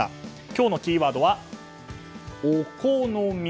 今日のキーワードは「オコノミ」